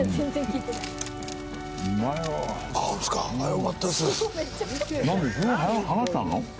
よかったです。